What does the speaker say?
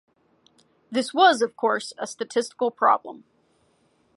This was of course a statistical problem.